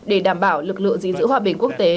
để đảm bảo lực lượng gìn giữ hòa bình quốc tế